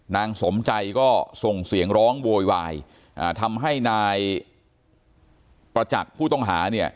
นางสมใจก็ส่งเสียงร้องโวยวายอ่าทำให้นายประจักษ์ผู้ต้องหาเนี่ย